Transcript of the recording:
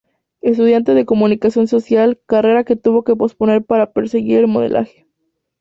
Estudiante de Comunicación Social, carrera que tuvo que posponer para perseguir el modelaje.